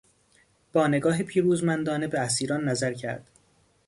با نگاه پیروزمندانه به اسیران نظر کرد.